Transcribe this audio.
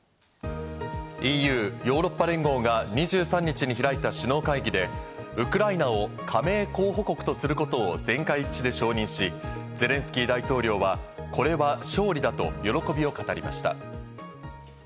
ＥＵ＝ヨーロッパ連合が２３日に開いた首脳会議で、ウクライナを加盟候補国とすることを全会一致で承認し、ゼレンスキー大統領はこれは勝利だと喜びを語りました。